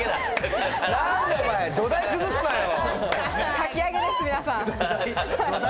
かき揚げです、皆さん。